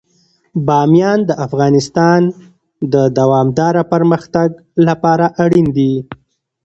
بامیان د افغانستان د دوامداره پرمختګ لپاره اړین دي.